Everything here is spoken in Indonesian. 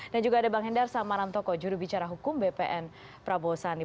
dan juga ada bang hendar samaramtoko jurubicara hukum bpn prabowo sandi